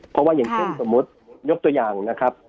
เพราะว่าอย่างเช่นสมมุติยกตัวอย่างนะครับ